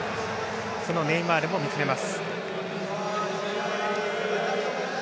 そのネイマールも見つめます。